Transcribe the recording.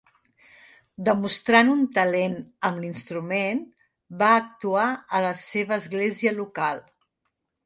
Demostrant un talent amb l'instrument, va actuar a la seva església local.